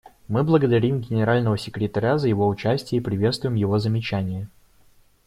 Мы благодарим Генерального секретаря за его участие и приветствуем его замечания.